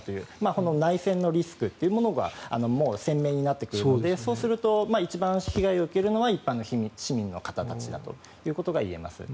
この内戦のリスクというものが鮮明になってくるのでそうすると一番被害を受けるのは一般の市民の方たちだと言えます。